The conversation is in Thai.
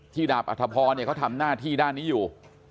ดาบอัธพรเขาทำหน้าที่ด้านนี้อยู่